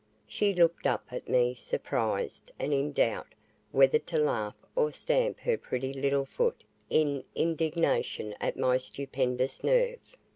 She looked up at me surprised and in doubt whether to laugh or stamp her pretty little foot in indignation at my stupendous nerve.